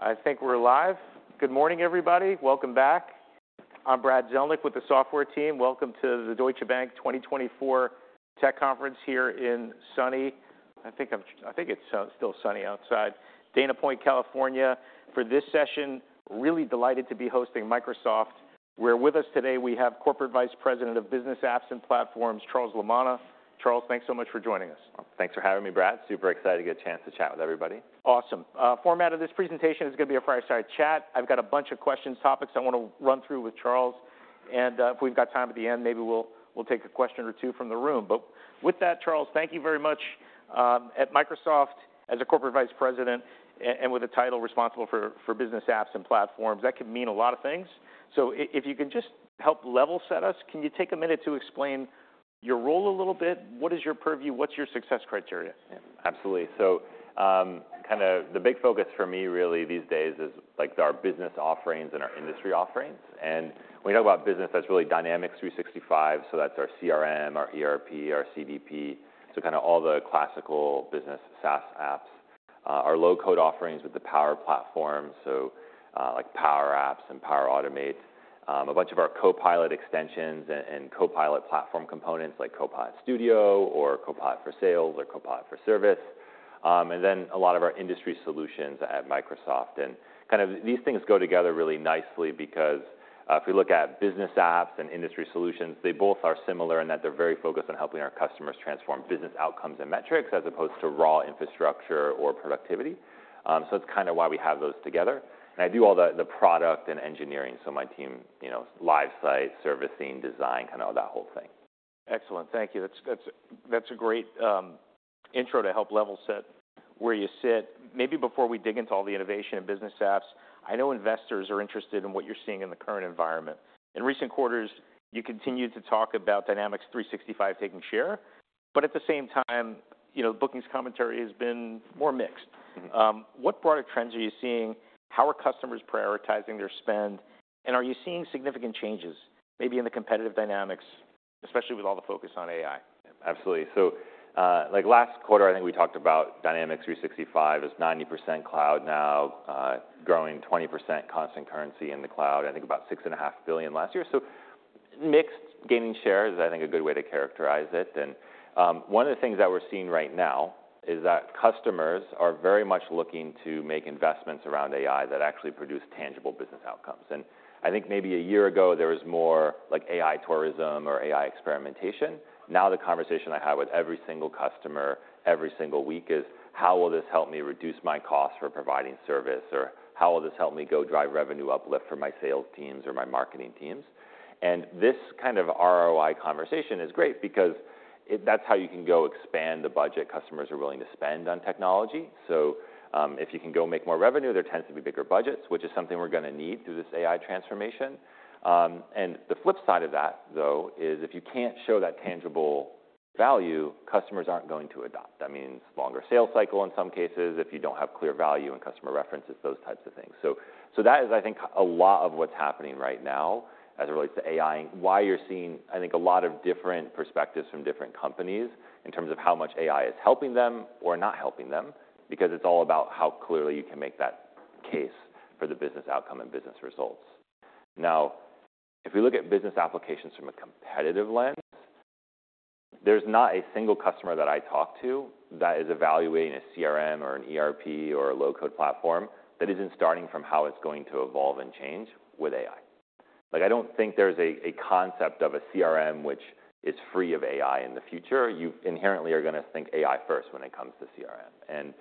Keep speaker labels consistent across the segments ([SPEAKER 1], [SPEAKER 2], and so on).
[SPEAKER 1] I think we're live. Good morning, everybody. Welcome back. I'm Brad Zelnick with the software team. Welcome to the Deutsche Bank 2024 Tech Conference here in sunny, I think it's still sunny outside, Dana Point, California. For this session, really delighted to be hosting Microsoft, where with us today, we have Corporate Vice President of Business Apps and Platforms, Charles Lamanna. Charles, thanks so much for joining us.
[SPEAKER 2] Thanks for having me, Brad. Super excited to get a chance to chat with everybody.
[SPEAKER 1] Awesome. Format of this presentation is gonna be a fireside chat. I've got a bunch of questions, topics I want to run through with Charles, and if we've got time at the end, maybe we'll take a question or two from the room. But with that, Charles, thank you very much. At Microsoft, as a Corporate Vice President, and with a title responsible for business apps and platforms, that could mean a lot of things. So if you can just help level set us, can you take a minute to explain your role a little bit? What is your purview? What's your success criteria?
[SPEAKER 2] Yeah, absolutely, so kinda the big focus for me really these days is, like, our business offerings and our industry offerings, and when we talk about business, that's really Dynamics 365, so that's our CRM, our ERP, our CDP, so kinda all the classical business SaaS apps. Our low-code offerings with the Power Platform, so, like Power Apps and Power Automate. A bunch of our Copilot extensions and Copilot platform components, like Copilot Studio or Copilot for Sales or Copilot for Service, and then a lot of our industry solutions at Microsoft, and kind of these things go together really nicely because if you look at business apps and industry solutions, they both are similar in that they're very focused on helping our customers transform business outcomes and metrics as opposed to raw infrastructure or productivity. So that's kind of why we have those together. And I do all the product and engineering, so my team, you know, Live Site, servicing, design, kind of that whole thing.
[SPEAKER 1] Excellent, thank you. That's a great intro to help level set where you sit. Maybe before we dig into all the innovation and business apps, I know investors are interested in what you're seeing in the current environment. In recent quarters, you continued to talk about Dynamics 365 taking share, but at the same time, you know, bookings commentary has been more mixed.
[SPEAKER 2] Mm-hmm.
[SPEAKER 1] What broader trends are you seeing? How are customers prioritizing their spend? And are you seeing significant changes maybe in the competitive dynamics, especially with all the focus on AI?
[SPEAKER 2] Absolutely. So, like last quarter, I think we talked about Dynamics 365 is 90% cloud now, growing 20% constant currency in the cloud, I think about $6.5 billion last year. So mixed gaining share is, I think, a good way to characterize it. And, one of the things that we're seeing right now is that customers are very much looking to make investments around AI that actually produce tangible business outcomes. And I think maybe a year ago, there was more like AI tourism or AI experimentation. Now, the conversation I have with every single customer, every single week, is: "How will this help me reduce my cost for providing service?" Or, "How will this help me go drive revenue uplift for my sales teams or my marketing teams?" And this kind of ROI conversation is great because it... That's how you can go expand the budget customers are willing to spend on technology. So, if you can go make more revenue, there tends to be bigger budgets, which is something we're gonna need through this AI transformation. And the flip side of that, though, is if you can't show that tangible value, customers aren't going to adopt. That means longer sales cycle in some cases, if you don't have clear value and customer references, those types of things. So, so that is, I think, a lot of what's happening right now as it relates to AI, and why you're seeing, I think, a lot of different perspectives from different companies in terms of how much AI is helping them or not helping them, because it's all about how clearly you can make that case for the business outcome and business results. Now, if we look at business applications from a competitive lens, there's not a single customer that I talk to that is evaluating a CRM or an ERP or a low-code platform that isn't starting from how it's going to evolve and change with AI. Like, I don't think there's a concept of a CRM which is free of AI in the future. You inherently are gonna think AI first when it comes to CRM. And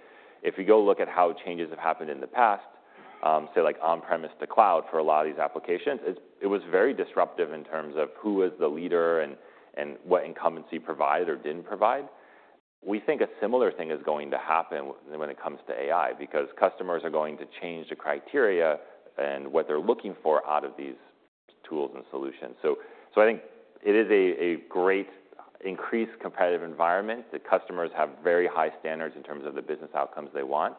[SPEAKER 2] if you go look at how changes have happened in the past, say like on-premise to cloud, for a lot of these applications, it was very disruptive in terms of who was the leader and what incumbency provided or didn't provide. We think a similar thing is going to happen when it comes to AI, because customers are going to change the criteria and what they're looking for out of these tools and solutions. So, I think it is a great increased competitive environment. The customers have very high standards in terms of the business outcomes they want,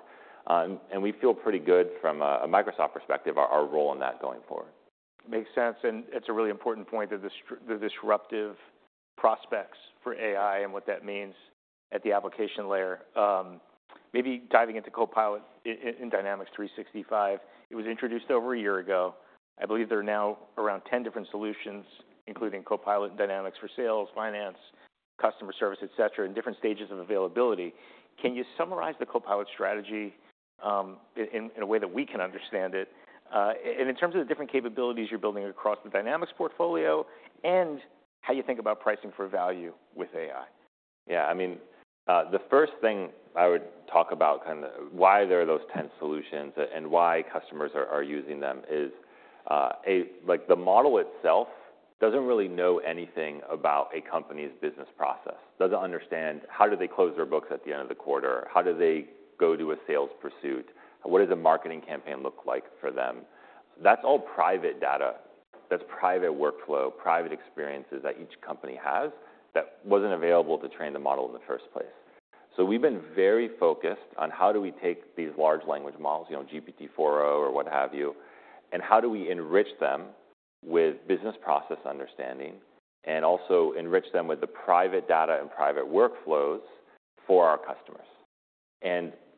[SPEAKER 2] and we feel pretty good from a Microsoft perspective, our role in that going forward.
[SPEAKER 1] Makes sense, and it's a really important point of the disruptive prospects for AI and what that means at the application layer. Maybe diving into Copilot in Dynamics 365, it was introduced over a year ago. I believe there are now around 10 different solutions, including Copilot and Dynamics for sales, finance, customer service, et cetera, in different stages of availability. Can you summarize the Copilot strategy in a way that we can understand it? And in terms of the different capabilities you're building across the Dynamics portfolio and how you think about pricing for value with AI.
[SPEAKER 2] Yeah, I mean, the first thing I would talk about, kind of why there are those ten solutions and why customers are using them is, Like, the model itself doesn't really know anything about a company's business process, doesn't understand how do they close their books at the end of the quarter? How do they go do a sales pursuit? What does a marketing campaign look like for them? That's all private data. That's private workflow, private experiences that each company has, that wasn't available to train the model in the first place. So we've been very focused on how do we take these large language models, you know, GPT-4o or what have you, and how do we enrich them with business process understanding, and also enrich them with the private data and private workflows for our customers.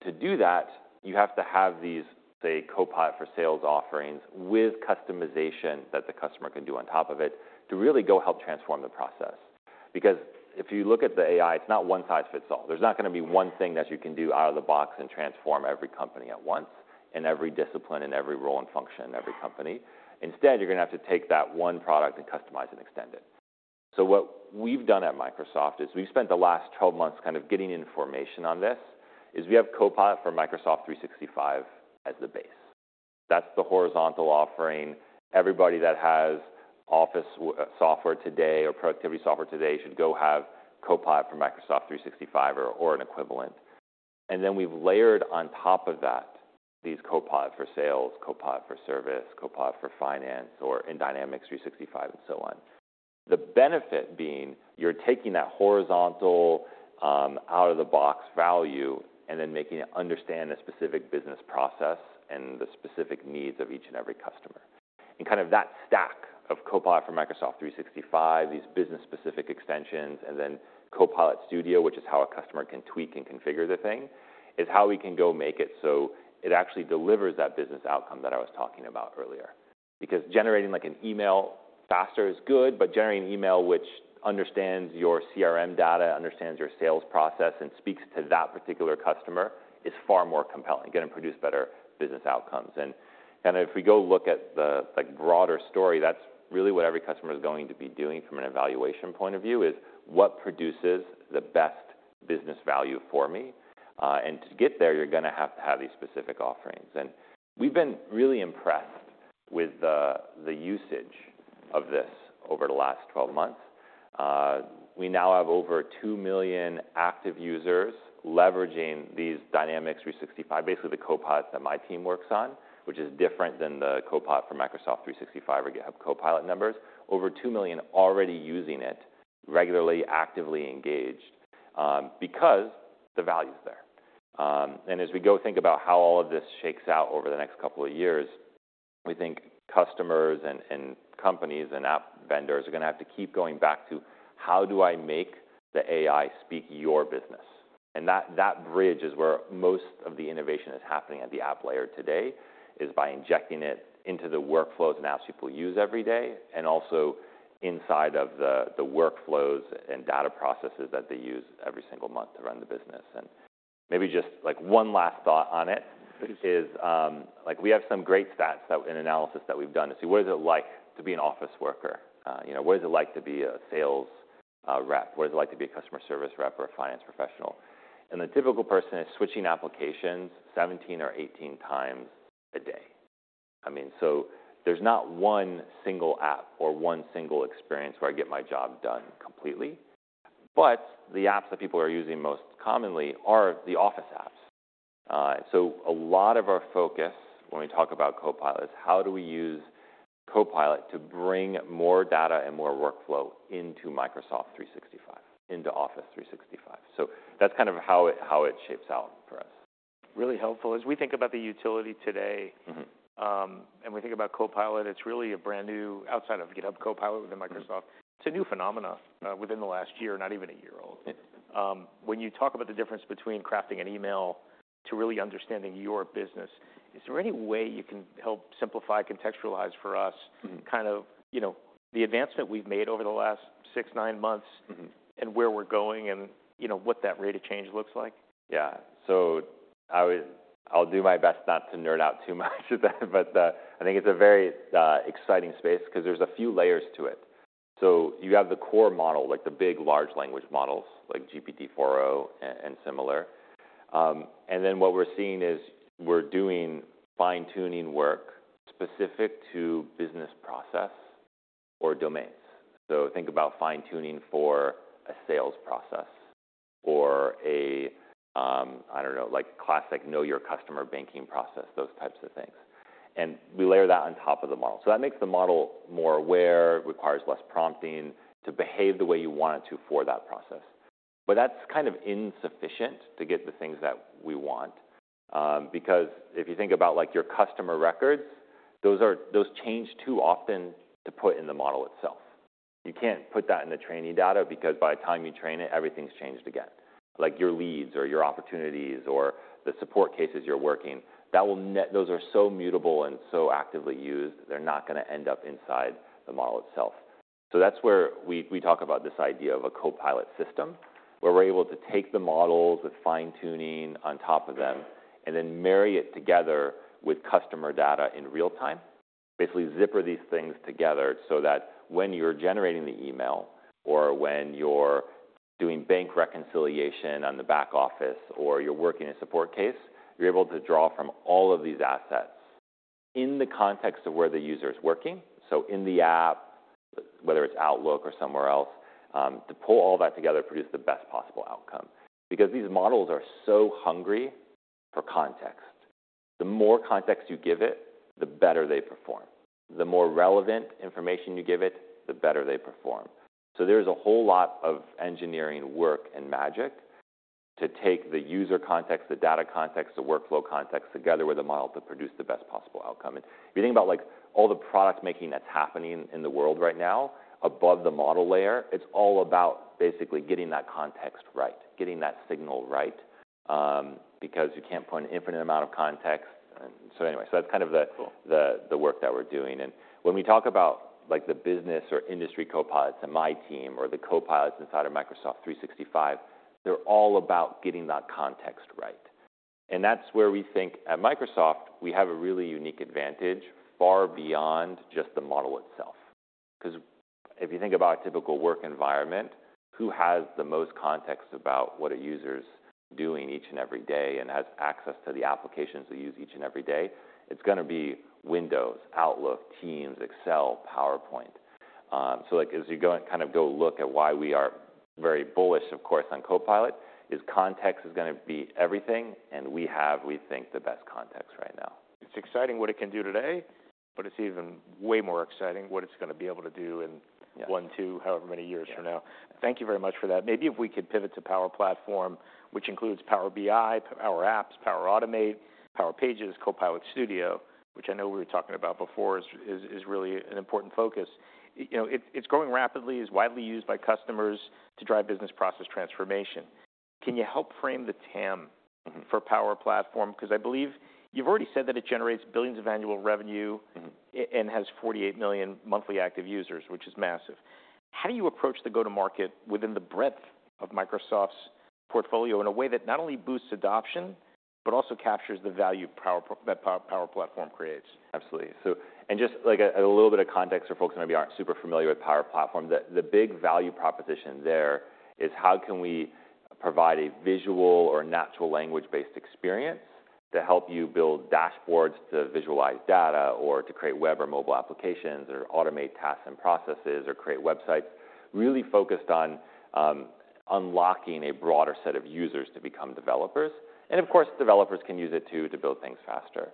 [SPEAKER 2] To do that, you have to have these, say, Copilot for Sales offerings with customization that the customer can do on top of it to really go help transform the process. Because if you look at the AI, it's not one size fits all. There's not gonna be one thing that you can do out of the box and transform every company at once, and every discipline, and every role, and function in every company. Instead, you're gonna have to take that one product and customize and extend it. So what we've done at Microsoft is, we've spent the last twelve months kind of getting information on this, is we have Copilot for Microsoft as the base. That's the horizontal offering. Everybody that has Office software today or productivity software today should go have Copilot for Microsoft or an equivalent. Then we've layered on top of that these Copilot for Sales, Copilot for Service, Copilot for Finance, or in Dynamics and so on. The benefit being, you're taking that horizontal, out-of-the-box value and then making it understand the specific business process and the specific needs of each and every customer. Kind of that stack of Copilot for Microsoft, these business-specific extensions, and then Copilot Studio, which is how a customer can tweak and configure the thing, is how we can go make it so it actually delivers that business outcome that I was talking about earlier. Because generating like an email faster is good, but generating an email which understands your CRM data, understands your sales process, and speaks to that particular customer, is far more compelling, gonna produce better business outcomes. If we go look at the, like, broader story, that's really what every customer is going to be doing from an evaluation point of view: What produces the best business value for me? And to get there, you're gonna have to have these specific offerings. And we've been really impressed with the usage of this over the last 12 months. We now have over 2 million active users leveraging these Dynamics, basically the Copilots that my team works on, which is different than the Copilot for Microsoft or GitHub Copilot numbers. Over 2 million already using it, regularly, actively engaged, because the value's there. And as we go think about how all of this shakes out over the next couple of years, we think customers, and companies, and app vendors are gonna have to keep going back to: How do I make the AI speak your business? And that bridge is where most of the innovation is happening at the app layer today, is by injecting it into the workflows and apps people use every day, and also inside of the workflows and data processes that they use every single month to run the business. And maybe just, like, one last thought on it is, like, we have some great stats in analysis that we've done to see what is it like to be an office worker. You know, what is it like to be a sales rep? What is it like to be a customer service rep or a finance professional? The typical person is switching applications 17 or 18 times a day. I mean, so there's not one single app or one single experience where I get my job done completely, but the apps that people are using most commonly are the Office apps. So a lot of our focus when we talk about Copilot is: How do we use Copilot to bring more data and more workflow into Microsoft, into Office 365? That's kind of how it shapes out for us.
[SPEAKER 1] Really helpful. As we think about the utility today-
[SPEAKER 2] Mm-hmm...
[SPEAKER 1] and we think about Copilot, it's really a brand new... Outside of GitHub, Copilot within Microsoft-
[SPEAKER 2] Mm-hmm
[SPEAKER 1] -it's a new phenomenon, within the last year, not even a year old.
[SPEAKER 2] Yeah.
[SPEAKER 1] When you talk about the difference between crafting an email to really understanding your business, is there any way you can help simplify, contextualize for us?
[SPEAKER 2] Mm-hmm
[SPEAKER 1] kind of, you know, the advancement we've made over the last six, nine months.
[SPEAKER 2] Mm-hmm
[SPEAKER 1] and where we're going and, you know, what that rate of change looks like?
[SPEAKER 2] Yeah. So I'll do my best not to nerd out too much about that, but I think it's a very exciting space, 'cause there's a few layers to it. So you have the core model, like the big large language models, like GPT-4o and similar. And then what we're seeing is, we're doing fine-tuning work specific to business process or domains. So think about fine-tuning for a sales process or a I don't know, like classic Know Your Customer banking process, those types of things. And we layer that on top of the model. So that makes the model more aware, it requires less prompting to behave the way you want it to for that process. But that's kind of insufficient to get the things that we want, because if you think about, like, your customer records, those are- those change too often to put in the model itself. You can't put that in the training data, because by the time you train it, everything's changed again. Like your leads, or your opportunities, or the support cases you're working, those are so mutable and so actively used, they're not gonna end up inside the model itself. So that's where we, we talk about this idea of a Copilot system, where we're able to take the models with fine-tuning on top of them, and then marry it together with customer data in real time. Basically, zip these things together so that when you're generating the email, or when you're doing bank reconciliation on the back office, or you're working a support case, you're able to draw from all of these assets in the context of where the user is working, so in the app, whether it's Outlook or somewhere else, to pull all that together to produce the best possible outcome. Because these models are so hungry for context. The more context you give it, the better they perform. The more relevant information you give it, the better they perform. So there's a whole lot of engineering work and magic to take the user context, the data context, the workflow context together with the model to produce the best possible outcome. And if you think about, like, all the product making that's happening in the world right now above the model layer, it's all about basically getting that context right, getting that signal right. Because you can't put an infinite amount of context. And so anyway, so that's kind of the work that we're doing. And when we talk about, like, the business or industry copilots in my team or the copilots inside of Microsoft 365, they're all about getting that context right. And that's where we think at Microsoft, we have a really unique advantage far beyond just the model itself. 'Cause if you think about a typical work environment, who has the most context about what a user's doing each and every day and has access to the applications they use each and every day? It's gonna be Windows, Outlook, Teams, Excel, PowerPoint. So, like, as you go and kind of go look at why we are very bullish, of course, on Copilot, context is gonna be everything, and we have, we think, the best context right now.
[SPEAKER 1] It's exciting what it can do today, but it's even way more exciting what it's gonna be able to do in-
[SPEAKER 2] Yeah
[SPEAKER 1] one, two, however many years from now.
[SPEAKER 2] Yeah.
[SPEAKER 1] Thank you very much for that. Maybe if we could pivot to Power Platform, which includes Power BI, Power Apps, Power Automate, Power Pages, Copilot Studio, which I know we were talking about before, is really an important focus. You know, it's growing rapidly, is widely used by customers to drive business process transformation. Can you help frame the TAM for Power Platform? 'Cause I believe you've already said that it generates billions of annual revenue-
[SPEAKER 2] Mm-hmm
[SPEAKER 1] and has 48 million monthly active users, which is massive. How do you approach the go-to-market within the breadth of Microsoft's portfolio in a way that not only boosts adoption, but also captures the value that Power Platform creates?
[SPEAKER 2] Absolutely. Just, like, a little bit of context for folks who maybe aren't super familiar with Power Platform, the big value proposition there is how can we provide a visual or natural language-based experience to help you build dashboards, to visualize data, or to create web or mobile applications, or automate tasks and processes, or create websites really focused on unlocking a broader set of users to become developers. Of course, developers can use it too to build things faster.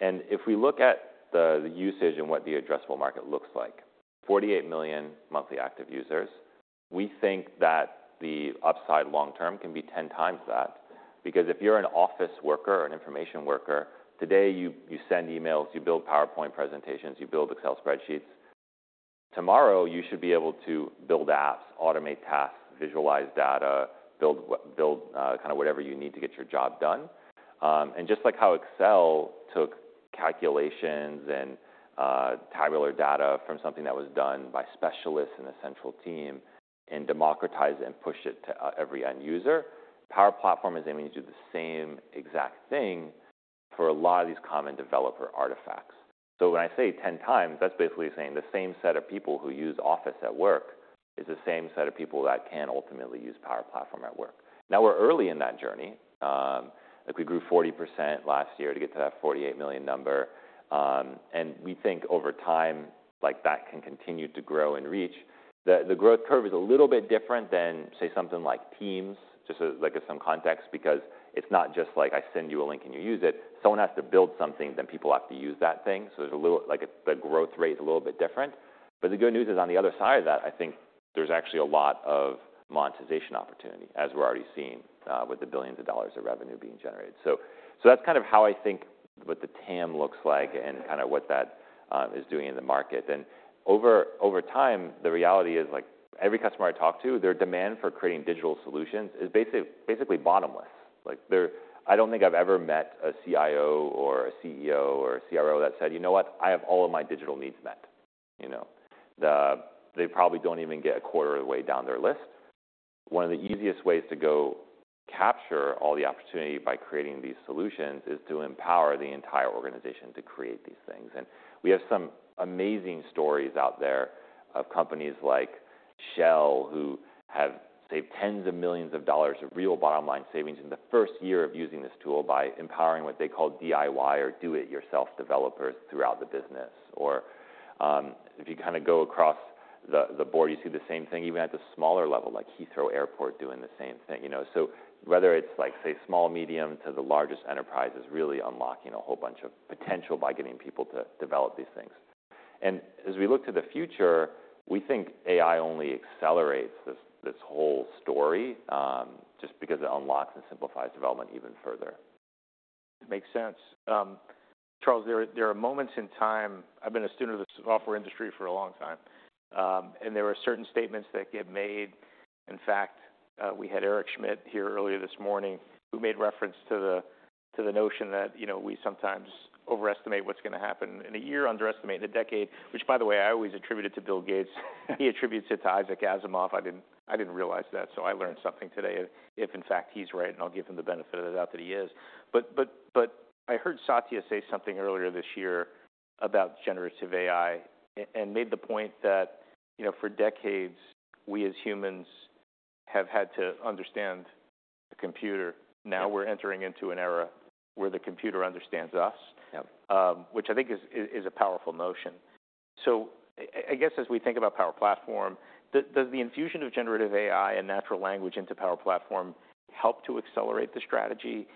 [SPEAKER 2] If we look at the usage and what the addressable market looks like, 48 million monthly active users, we think that the upside long term can be 10 times that. Because if you're an office worker or an information worker, today you send emails, you build PowerPoint presentations, you build Excel spreadsheets. Tomorrow, you should be able to build apps, automate tasks, visualize data, build kind of whatever you need to get your job done, and just like how Excel took calculations and tabular data from something that was done by specialists in a central team and democratized it and pushed it to every end user, Power Platform is aiming to do the same exact thing for a lot of these common developer artifacts. So when I say ten times, that's basically saying the same set of people who use Office at work is the same set of people that can ultimately use Power Platform at work. Now, we're early in that journey. Like, we grew 40% last year to get to that 48 million number, and we think over time, like, that can continue to grow and reach. The growth curve is a little bit different than, say, something like Teams, just as, like, as some context, because it's not just like I send you a link and you use it. Someone has to build something, then people have to use that thing. So there's a little, like, the growth rate is a little bit different. But the good news is, on the other side of that, I think there's actually a lot of monetization opportunity, as we're already seeing with the billions of dollars of revenue being generated. So that's kind of how I think what the TAM looks like and kinda what that is doing in the market. And over time, the reality is, like, every customer I talk to, their demand for creating digital solutions is basically bottomless. Like, they're... I don't think I've ever met a CIO or a CEO or a CRO that said, "You know what? I have all of my digital needs met." You know? They probably don't even get a quarter of the way down their list. One of the easiest ways to go capture all the opportunity by creating these solutions is to empower the entire organization to create these things. And we have some amazing stories out there of companies like Shell, who have saved tens of millions of dollars of real bottom-line savings in the first year of using this tool by empowering what they call DIY or do-it-yourself developers throughout the business. Or, if you kinda go across the board, you see the same thing, even at the smaller level, like Heathrow Airport doing the same thing, you know. So whether it's like, say, small, medium to the largest enterprises, really unlocking a whole bunch of potential by getting people to develop these things. And as we look to the future, we think AI only accelerates this, this whole story, just because it unlocks and simplifies development even further.
[SPEAKER 1] Makes sense. Charles, there are moments in time. I've been a student of the software industry for a long time, and there are certain statements that get made. In fact, we had Eric Schmidt here earlier this morning, who made reference to the notion that, you know, we sometimes overestimate what's gonna happen in a year, underestimate in a decade, which, by the way, I always attribute it to Bill Gates. He attributes it to Isaac Asimov. I didn't realize that, so I learned something today, if in fact, he's right, and I'll give him the benefit of the doubt that he is. But I heard Satya say something earlier this year about generative AI, and made the point that, you know, for decades, we as humans have had to understand the computer. Now we're entering into an era where the computer understands us.
[SPEAKER 2] Yep...
[SPEAKER 1] which I think is a powerful notion. So I guess as we think about Power Platform, does the infusion of generative AI and natural language into Power Platform help to accelerate the strategy?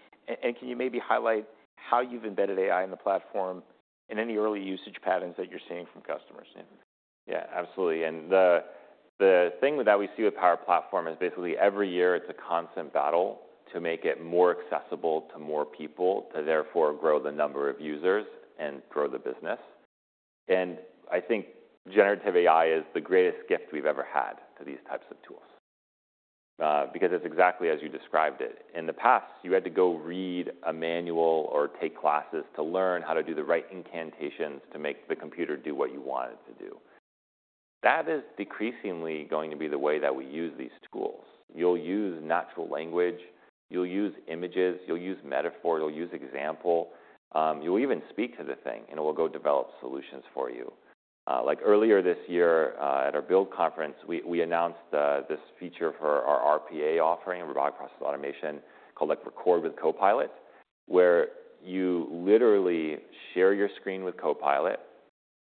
[SPEAKER 1] And can you maybe highlight how you've embedded AI in the platform and any early usage patterns that you're seeing from customers?...
[SPEAKER 2] Yeah, absolutely. And the thing that we see with Power Platform is basically every year it's a constant battle to make it more accessible to more people, to therefore grow the number of users and grow the business. And I think generative AI is the greatest gift we've ever had to these types of tools, because it's exactly as you described it. In the past, you had to go read a manual or take classes to learn how to do the right incantations to make the computer do what you want it to do. That is decreasingly going to be the way that we use these tools. You'll use natural language, you'll use images, you'll use metaphor, you'll use example, you'll even speak to the thing, and it will go develop solutions for you. Like earlier this year at our Build conference, we announced this feature for our RPA offering, Robotic Process Automation, called like Record with Copilot, where you literally share your screen with Copilot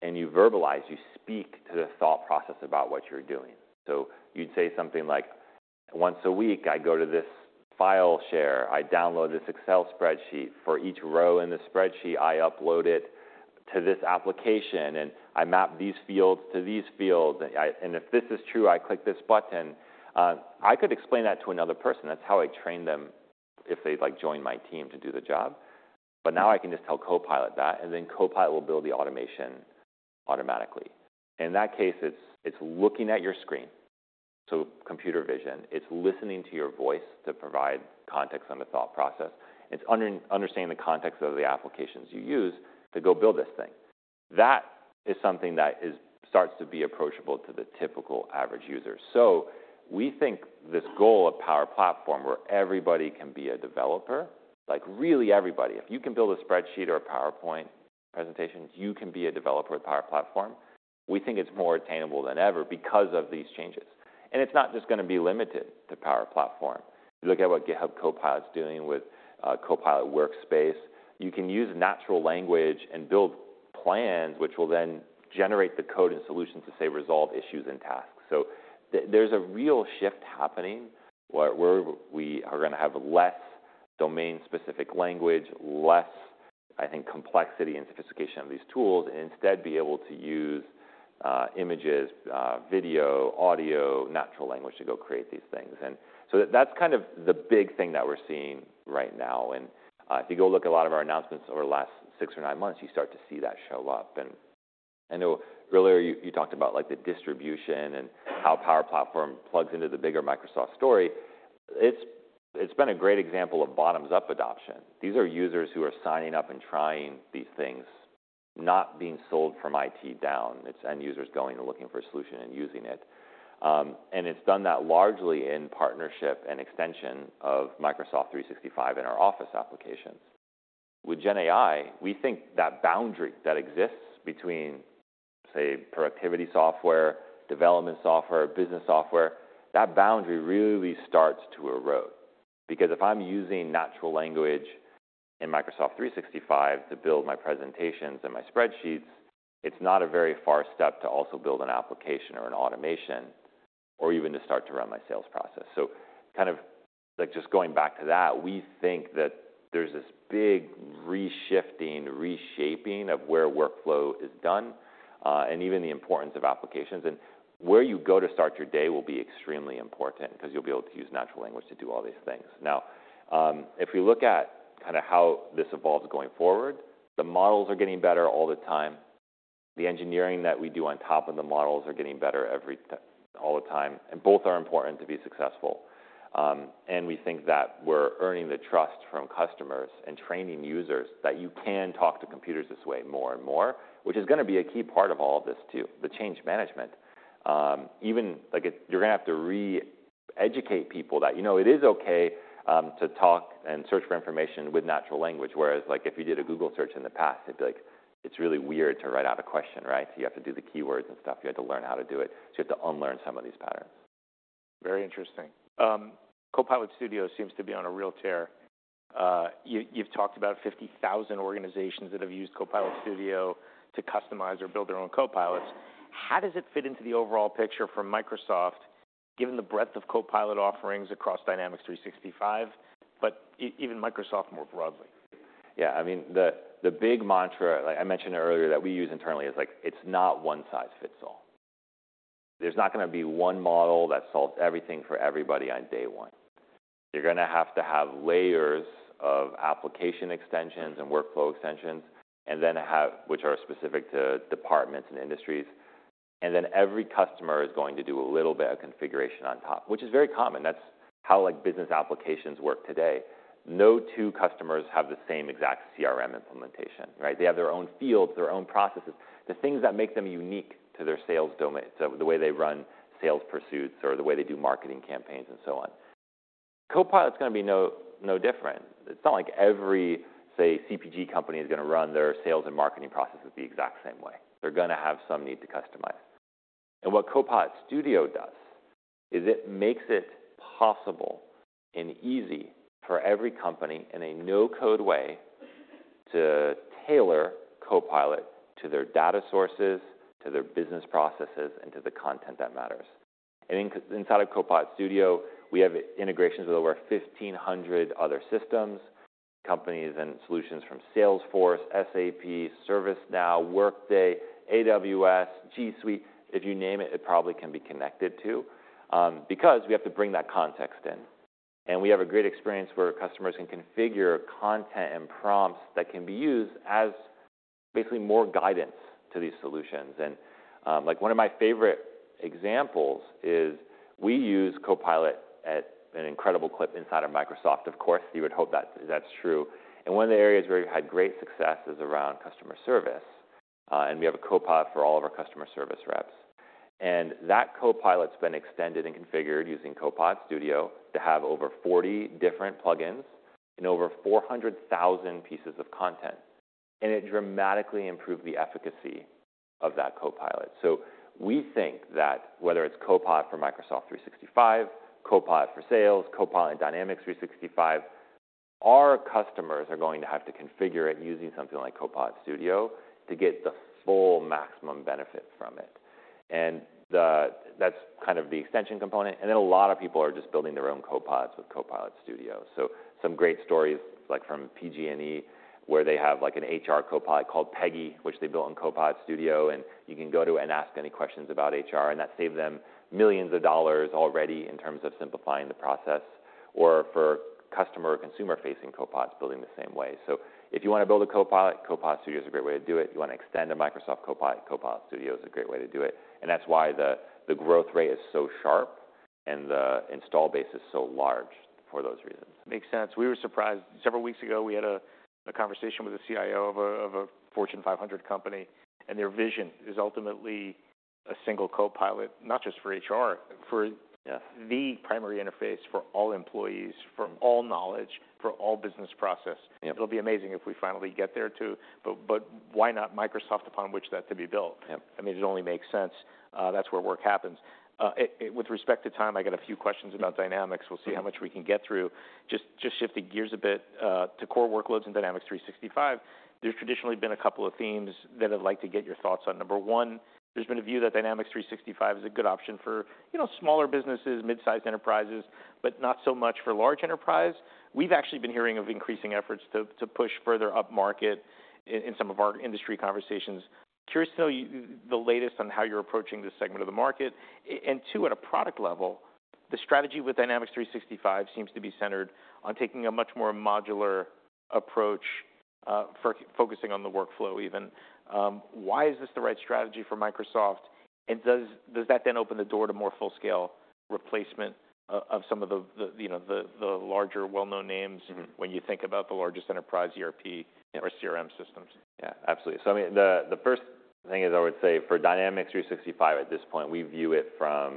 [SPEAKER 2] and you verbalize, you speak to the thought process about what you're doing. So you'd say something like, "Once a week, I go to this file share. I download this Excel spreadsheet. For each row in the spreadsheet, I upload it to this application, and I map these fields to these fields. And if this is true, I click this button." I could explain that to another person. That's how I train them if they'd, like, join my team to do the job. But now I can just tell Copilot that, and then Copilot will build the automation automatically. In that case, it's looking at your screen, so computer vision. It's listening to your voice to provide context on the thought process. It's understanding the context of the applications you use to go build this thing. That is something that starts to be approachable to the typical average user. So we think this goal of Power Platform, where everybody can be a developer, like, really everybody, if you can build a spreadsheet or a PowerPoint presentation, you can be a developer with Power Platform. We think it's more attainable than ever because of these changes, and it's not just gonna be limited to Power Platform. If you look at what GitHub Copilot's doing with Copilot Workspace, you can use natural language and build plans, which will then generate the code and solutions to, say, resolve issues and tasks. There's a real shift happening, where we are gonna have less domain-specific language, less, I think, complexity and sophistication of these tools, and instead, be able to use images, video, audio, natural language to go create these things. That's kind of the big thing that we're seeing right now, and if you go look at a lot of our announcements over the last six or nine months, you start to see that show up. I know earlier, you talked about, like, the distribution and how Power Platform plugs into the bigger Microsoft story. It's been a great example of bottoms-up adoption. These are users who are signing up and trying these things, not being sold from IT down. It's end users going and looking for a solution and using it. And it's done that largely in partnership and extension of Microsoft 365 and our Office applications. With GenAI, we think that boundary that exists between, say, productivity software, development software, business software, that boundary really starts to erode because if I'm using natural language in Microsoft 365 to build my presentations and my spreadsheets, it's not a very far step to also build an application or an automation, or even to start to run my sales process. So kind of, like, just going back to that, we think that there's this big re-shifting, reshaping of where workflow is done, and even the importance of applications. And where you go to start your day will be extremely important because you'll be able to use natural language to do all these things. Now, if we look at kind of how this evolves going forward, the models are getting better all the time. The engineering that we do on top of the models are getting better all the time, and both are important to be successful. And we think that we're earning the trust from customers and training users that you can talk to computers this way more and more, which is gonna be a key part of all of this, too, the change management. Even, like, you're gonna have to re-educate people that, you know, it is okay to talk and search for information with natural language, whereas, like, if you did a Google search in the past, it'd be like, it's really weird to write out a question, right? So you have to do the keywords and stuff. You had to learn how to do it, so you have to unlearn some of these patterns.
[SPEAKER 1] Very interesting. Copilot Studio seems to be on a real tear. You've talked about 50,000 organizations that have used Copilot Studio to customize or build their own copilots. How does it fit into the overall picture for Microsoft, given the breadth of Copilot offerings across Dynamics 365, but even Microsoft more broadly?
[SPEAKER 2] Yeah, I mean, the big mantra, like I mentioned earlier, that we use internally is, like, it's not one size fits all. There's not gonna be one model that solves everything for everybody on day one. You're gonna have to have layers of application extensions and workflow extensions, and then have which are specific to departments and industries, and then every customer is going to do a little bit of configuration on top, which is very common. That's how, like, business applications work today. No two customers have the same exact CRM implementation, right? They have their own fields, their own processes, the things that make them unique to their sales domain, so the way they run sales pursuits or the way they do marketing campaigns, and so on. Copilot's gonna be no different. It's not like every, say, CPG company is gonna run their sales and marketing processes the exact same way. They're gonna have some need to customize. And what Copilot Studio does is it makes it possible and easy for every company, in a no-code way, to tailor Copilot to their data sources, to their business processes, and to the content that matters. And inside of Copilot Studio, we have integrations with over fifteen hundred other systems... companies and solutions from Salesforce, SAP, ServiceNow, Workday, AWS, G Suite, if you name it, it probably can be connected to, because we have to bring that context in. And we have a great experience where customers can configure content and prompts that can be used as basically more guidance to these solutions. And, like, one of my favorite examples is we use Copilot at an incredible clip inside of Microsoft. Of course, you would hope that that's true. One of the areas where we've had great success is around customer service, and we have a Copilot for all of our customer service reps. That Copilot's been extended and configured using Copilot Studio to have over 40 different plugins and over 400,000 pieces of content, and it dramatically improved the efficacy of that Copilot. We think that whether it's Copilot for Microsoft 365, Copilot for Sales, Copilot in Dynamics 365, our customers are going to have to configure it using something like Copilot Studio to get the full maximum benefit from it. That's kind of the extension component, and then a lot of people are just building their own Copilots with Copilot Studio. So some great stories, like from PG&E, where they have, like, an HR Copilot called Peggy, which they built in Copilot Studio, and you can go to and ask any questions about HR, and that saved them millions of dollars already in terms of simplifying the process. Or for customer, consumer-facing Copilots, building the same way. So if you want to build a Copilot, Copilot Studio is a great way to do it. You want to extend a Microsoft Copilot, Copilot Studio is a great way to do it, and that's why the growth rate is so sharp and the install base is so large for those reasons.
[SPEAKER 1] Makes sense. We were surprised. Several weeks ago, we had a conversation with a CIO of a Fortune 500 company, and their vision is ultimately a single Copilot, not just for HR, for-
[SPEAKER 2] Yeah...
[SPEAKER 1] the primary interface for all employees, for all knowledge, for all business process.
[SPEAKER 2] Yeah.
[SPEAKER 1] It'll be amazing if we finally get there, too, but why not Microsoft upon which that to be built?
[SPEAKER 2] Yeah.
[SPEAKER 1] I mean, it only makes sense. That's where work happens. With respect to time, I got a few questions about Dynamics.
[SPEAKER 2] Okay.
[SPEAKER 1] We'll see how much we can get through. Just shifting gears a bit to core workloads in Dynamics 365, there's traditionally been a couple of themes that I'd like to get your thoughts on. Number one, there's been a view that Dynamics 365 is a good option for, you know, smaller businesses, mid-sized enterprises, but not so much for large enterprise. We've actually been hearing of increasing efforts to push further upmarket in some of our industry conversations. Curious to know the latest on how you're approaching this segment of the market, and two, at a product level, the strategy with Dynamics 365 seems to be centered on taking a much more modular approach for focusing on the workflow even. Why is this the right strategy for Microsoft? And does that then open the door to more full-scale replacement of some of the, you know, the larger, well-known names-
[SPEAKER 2] Mm-hmm...
[SPEAKER 1] when you think about the largest enterprise ERP-
[SPEAKER 2] Yeah
[SPEAKER 1] -or CRM systems?
[SPEAKER 2] Yeah, absolutely. So I mean, the first thing is, I would say for Dynamics 365 at this point, we view it from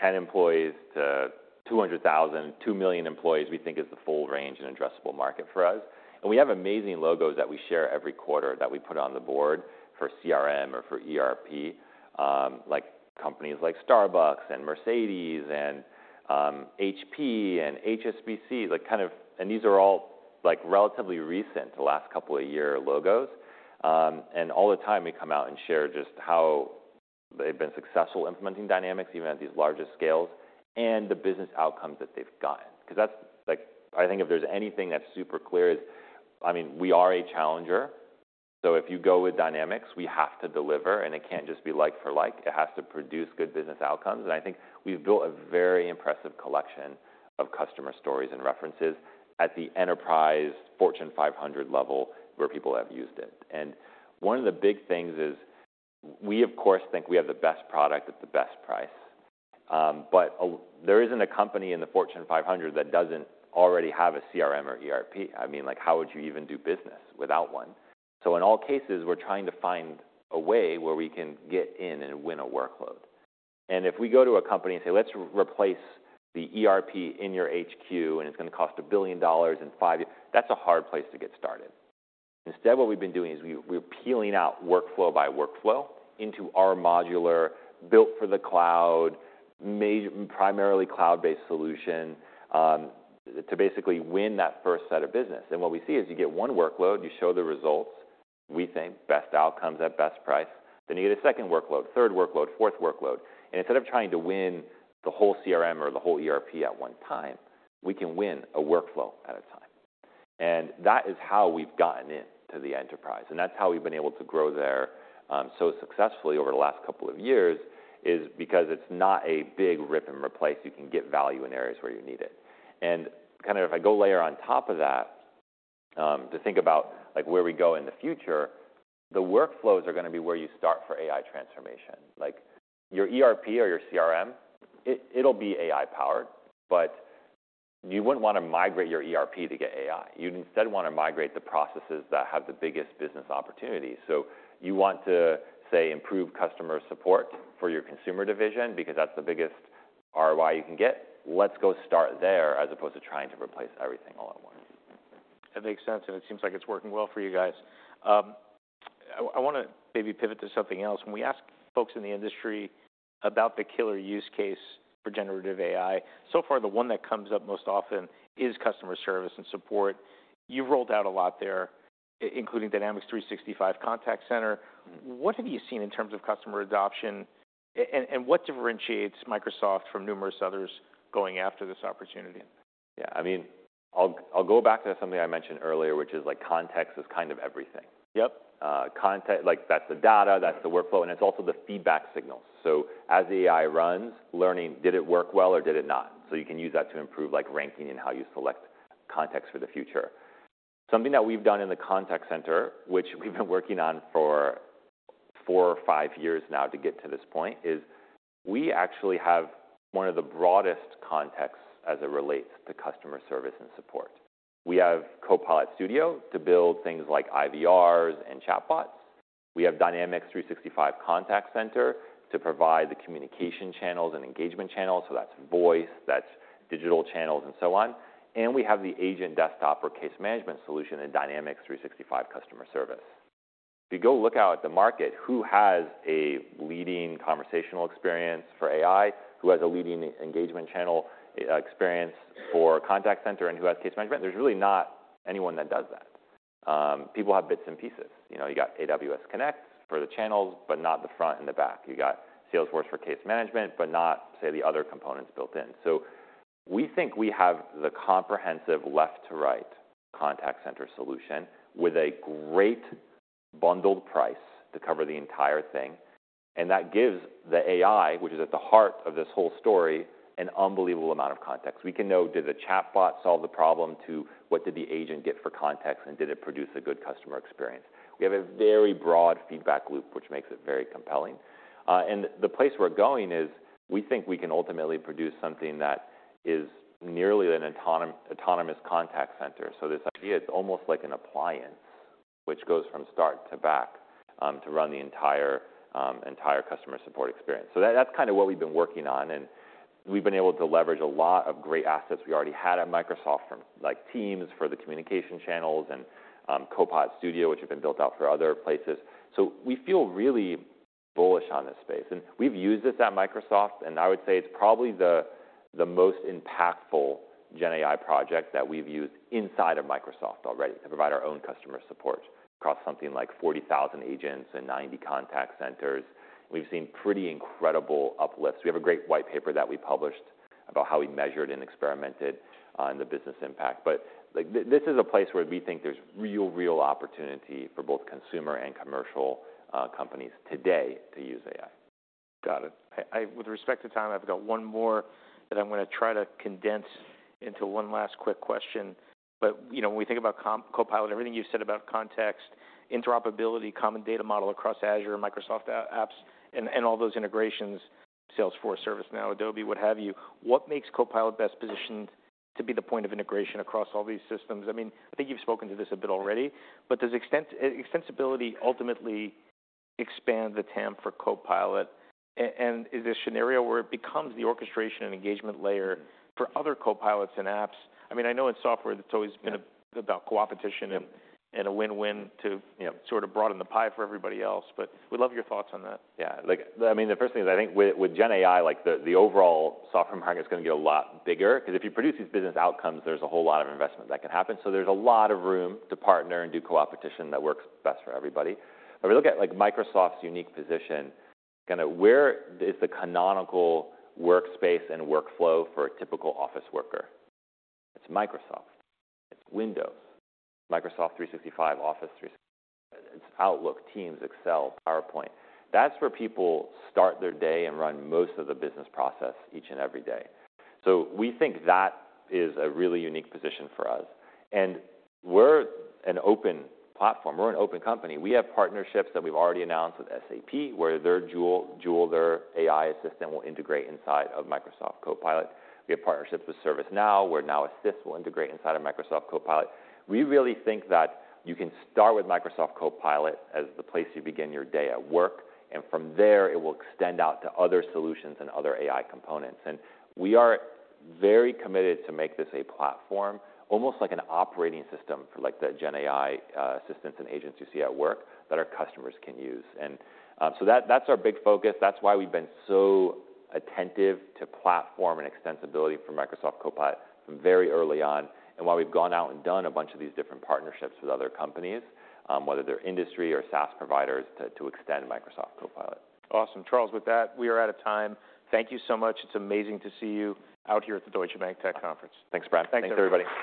[SPEAKER 2] 10 employees to 200,000. 2 million employees, we think, is the full range and addressable market for us. And we have amazing logos that we share every quarter that we put on the board for CRM or for ERP, like, companies like Starbucks and Mercedes and, HP and HSBC. Like, kind of. And these are all, like, relatively recent, the last couple of years logos. And all the time we come out and share just how they've been successful implementing Dynamics, even at these larger scales, and the business outcomes that they've gotten. 'Cause that's... Like, I think if there's anything that's super clear, is, I mean, we are a challenger, so if you go with Dynamics, we have to deliver, and it can't just be like for like. It has to produce good business outcomes. And I think we've built a very impressive collection of customer stories and references at the enterprise Fortune 500 level where people have used it. And one of the big things is we, of course, think we have the best product at the best price, but there isn't a company in the Fortune 500 that doesn't already have a CRM or ERP. I mean, like, how would you even do business without one? So in all cases, we're trying to find a way where we can get in and win a workload. And if we go to a company and say, "Let's replace the ERP in your HQ, and it's going to cost $1 billion in five years," that's a hard place to get started. Instead, what we've been doing is we're peeling out workflow by workflow into our modular, built for the cloud, primarily cloud-based solution, to basically win that first set of business. And what we see is, you get one workload, you show the results. We think best outcomes at best price. Then you get a second workload, third workload, fourth workload, and instead of trying to win the whole CRM or the whole ERP at one time, we can win a workflow at a time. And that is how we've gotten into the enterprise, and that's how we've been able to grow there, so successfully over the last couple of years, is because it's not a big rip and replace. You can get value in areas where you need it. And kind of if I go layer on top of that, to think about, like, where we go in the future, the workflows are gonna be where you start for AI transformation. Like, your ERP or your CRM, it, it'll be AI powered, but you wouldn't want to migrate your ERP to get AI. You'd instead want to migrate the processes that have the biggest business opportunities. So you want to, say, improve customer support for your consumer division because that's the biggest ROI you can get. Let's go start there, as opposed to trying to replace everything all at once.
[SPEAKER 1] That makes sense, and it seems like it's working well for you guys. I wanna maybe pivot to something else. When we ask folks in the industry about the killer use case for generative AI, so far, the one that comes up most often is customer service and support. You've rolled out a lot there, including Dynamics 365 Contact Center. What have you seen in terms of customer adoption, and what differentiates Microsoft from numerous others going after this opportunity?
[SPEAKER 2] Yeah, I mean, I'll, I'll go back to something I mentioned earlier, which is, like, context is kind of everything.
[SPEAKER 1] Yep.
[SPEAKER 2] Context, like, that's the data, that's the workflow, and it's also the feedback signal, so as the AI runs, learning, did it work well or did it not, so you can use that to improve, like, ranking and how you select context for the future. Something that we've done in the contact center, which we've been working on for four or five years now to get to this point, is we actually have one of the broadest contexts as it relates to customer service and support. We have Copilot Studio to build things like IVRs and chatbots. We have Dynamics 365 Contact Center to provide the communication channels and engagement channels, so that's voice, that's digital channels, and so on, and we have the agent desktop or case management solution in Dynamics 365 Customer Service. If you go look out at the market, who has a leading conversational experience for AI? Who has a leading engagement channel experience for contact center, and who has case management? There's really not anyone that does that. People have bits and pieces. You know, you got AWS Connect for the channels, but not the front and the back. You got Salesforce for case management, but not, say, the other components built in. So we think we have the comprehensive left-to-right contact center solution with a great bundled price to cover the entire thing, and that gives the AI, which is at the heart of this whole story, an unbelievable amount of context. We can know, did the chatbot solve the problem, to what did the agent get for context, and did it produce a good customer experience? We have a very broad feedback loop, which makes it very compelling. And the place we're going is, we think we can ultimately produce something that is nearly an autonomous contact center. So this idea, it's almost like an appliance which goes from start to back, to run the entire customer support experience. So that's kind of what we've been working on, and we've been able to leverage a lot of great assets we already had at Microsoft, from, like, Teams for the communication channels and, Copilot Studio, which have been built out for other places. So we feel really bullish on this space, and we've used this at Microsoft, and I would say it's probably the most impactful GenAI project that we've used inside of Microsoft already to provide our own customer support across something like forty thousand agents and ninety contact centers. We've seen pretty incredible uplifts. We have a great white paper that we published about how we measured and experimented on the business impact. But, like, this is a place where we think there's real, real opportunity for both consumer and commercial companies today to use AI.
[SPEAKER 1] Got it. I, with respect to time, I've got one more that I'm gonna try to condense into one last quick question. But, you know, when we think about Copilot, everything you've said about context, interoperability, Common Data Model across Azure and Microsoft apps, and all those integrations, Salesforce, ServiceNow, Adobe, what have you, what makes Copilot best positioned to be the point of integration across all these systems? I mean, I think you've spoken to this a bit already, but does extensibility ultimately expand the TAM for Copilot? And is this scenario where it becomes the orchestration and engagement layer for other Copilots and apps? I mean, I know in software, it's always been about coopetition and a win-win to, you know, sort of broaden the pie for everybody else, but we'd love your thoughts on that.
[SPEAKER 2] Yeah, like, I mean, the first thing is, I think with GenAI, like, the overall software market is gonna get a lot bigger. 'Cause if you produce these business outcomes, there's a whole lot of investment that can happen. So there's a lot of room to partner and do coopetition that works best for everybody. If we look at, like, Microsoft's unique position, kinda where is the canonical workspace and workflow for a typical office worker? It's Microsoft. It's Windows, Microsoft 365, Office 365, it's Outlook, Teams, Excel, PowerPoint. That's where people start their day and run most of the business process each and every day. So we think that is a really unique position for us, and we're an open platform, we're an open company. We have partnerships that we've already announced with SAP, where their Joule, their AI assistant, will integrate inside of Microsoft Copilot. We have partnerships with ServiceNow, where Now Assist will integrate inside of Microsoft Copilot. We really think that you can start with Microsoft Copilot as the place you begin your day at work, and from there, it will extend out to other solutions and other AI components. And we are very committed to make this a platform, almost like an operating system for like the GenAI assistants and agents you see at work, that our customers can use. And, so that, that's our big focus. That's why we've been so attentive to platform and extensibility for Microsoft Copilot very early on, and while we've gone out and done a bunch of these different partnerships with other companies, whether they're industry or SaaS providers, to extend Microsoft Copilot.
[SPEAKER 1] Awesome. Charles, with that, we are out of time. Thank you so much. It's amazing to see you out here at the Deutsche Bank Tech Conference.
[SPEAKER 2] Thanks, Brad.
[SPEAKER 1] Thanks, everybody.